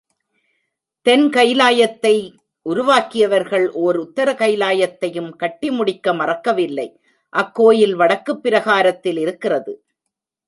தென் கயிலாயத்தை உருவாக்கியவர்கள் ஓர் உத்தர கயிலாயத்தையும் கட்டி முடிக்க மறக்கவில்லை அக்கோயில் வடக்குப் பிரகாரத்தில் இருக்கிறது.